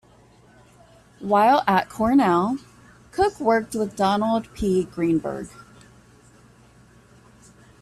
While at Cornell, Cook worked with Donald P. Greenberg.